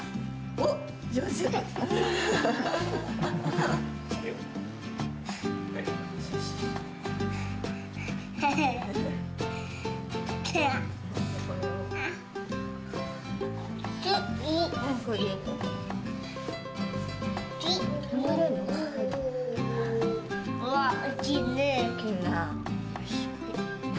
おっきいね。